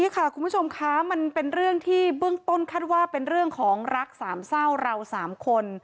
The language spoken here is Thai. คุณผู้ชมคะมันเป็นเรื่องที่เบื้องต้นคาดว่าเป็นเรื่องของรักสามเศร้าเราสามคน